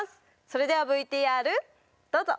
それではＶＴＲどうぞ！